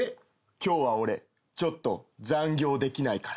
今日は俺ちょっと残業できないから。